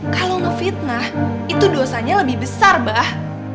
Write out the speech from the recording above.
kalo ngefitnah itu dosanya lebih besar bah